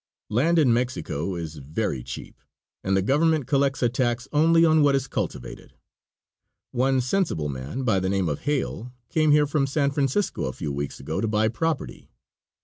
Land in Mexico is very cheap, and the Government collects a tax only on what is cultivated. One sensible man, by the name of Hale, came here from San Francisco a few weeks ago to buy property.